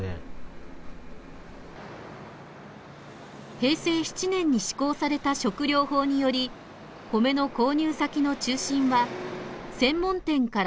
平成７年に施行された食糧法により米の購入先の中心は専門店からスーパーへ。